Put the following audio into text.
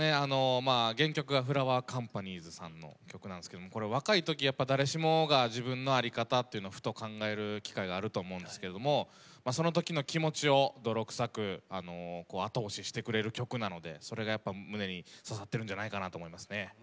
原曲がフラワーカンパニーズさんの曲なんですけどこれは、若いとき誰しもが自分の在り方というのをふと考える機会があると思うんですけれどもその時の気持ちを泥臭く後押ししてくれる曲なんでそれが、胸に刺さってるんじゃないかなと思いますね。